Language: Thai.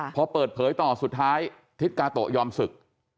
พอเปิดเผยต่อสุดท้ายทิศกาโตะยอมศึก